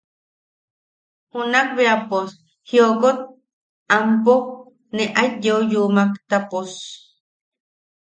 Junakbea pos jiokot ampo ne aet yeuyumak ta pos...